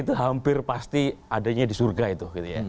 itu hampir pasti adanya di surga itu